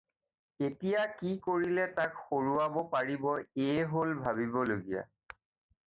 এতিয়া কি কৰিলে তাক সৰুৱাব পাৰিব এয়েই হ'ল ভাবিবলগীয়া।